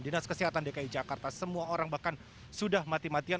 dinas kesehatan dki jakarta semua orang bahkan sudah mati matian